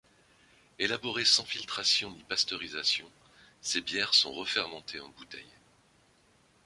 Élaborées sans filtration ni pasteurisation, ces bières sont refermentées en bouteille.